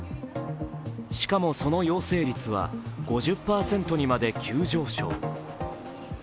しかも、その陽性率は５０％にまで急上昇。